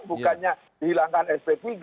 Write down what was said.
bukannya dihilangkan sp tiga